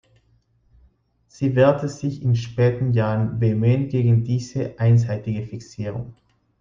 Sie wehrte sich in späten Jahren vehement gegen diese einseitige Fixierung.